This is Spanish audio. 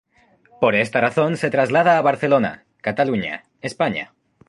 Por esta razón se traslada a Barcelona, Cataluña, España.